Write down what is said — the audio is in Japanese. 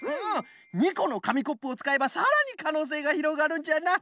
２このかみコップをつかえばさらにかのうせいがひろがるんじゃな。